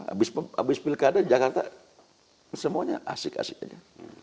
habis pilkada jakarta semuanya asik asik aja